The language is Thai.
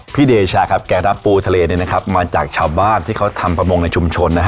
เดชาครับแกรับปูทะเลมาจากชาวบ้านที่เขาทำประมงในชุมชนนะฮะ